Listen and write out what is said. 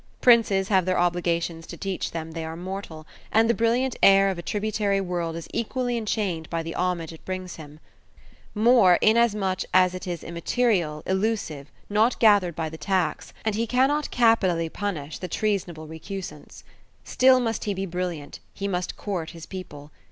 Princes have their obligations to teach them they are mortal, and the brilliant heir of a tributary world is equally enchained by the homage it brings him; more, inasmuch as it is immaterial, elusive, not gathered by the tax, and he cannot capitally punish the treasonable recusants. Still must he be brilliant; he must court his people.